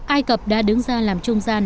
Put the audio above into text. ai cập đã đứng ra làm trung gian